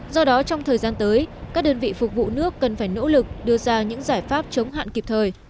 do đó trong thời gian tới các đơn vị phục vụ nước cần phải nỗ lực đưa ra những giải pháp chống hạn kịp thời